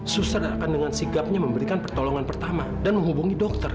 suster akan dengan sigapnya memberikan pertolongan pertama dan menghubungi dokter